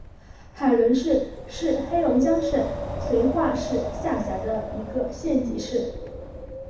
海伦市是黑龙江省绥化市下辖的一个县级市。